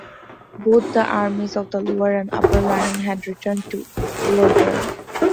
Both the armies of the Lower and Upper Rhine had returned to order.